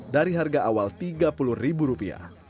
dari harga awal tiga puluh ribu rupiah